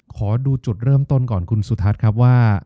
ขอดูจุดเริ่มต้นก่อนคุณสุทัศน์ครับว่า